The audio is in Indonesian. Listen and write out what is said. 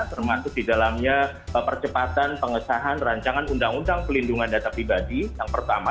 termasuk di dalamnya percepatan pengesahan rancangan undang undang pelindungan data pribadi yang pertama